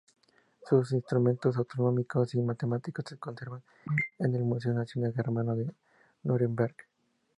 Sus instrumentos astronómicos y matemáticos se conservan en el Museo Nacional Germano de Núremberg.